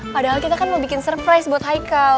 padahal kita kan mau bikin surprise buat hicle